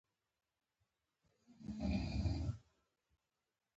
غریب له خدای نه بل څوک نه لري